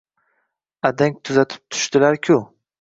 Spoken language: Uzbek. Adang tuzatib tushdilar-ku.